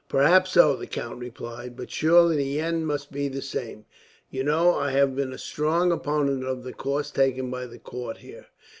"Perhaps so," the count replied; "but surely the end must be the same. You know I have been a strong opponent of the course taken by the court here.